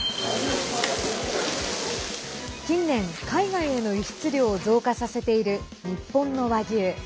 近年、海外への輸出量を増加させている日本の和牛。